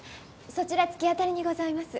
そちら突き当たりにございます。